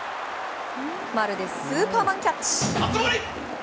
まるでスーパーマンキャッチ！